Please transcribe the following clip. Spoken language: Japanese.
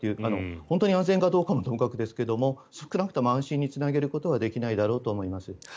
本当に安全かどうかもですが少なくとも安心につなげることはできないだろうと思います。